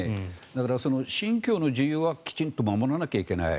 だから信教の自由はきちんと守らないといけない。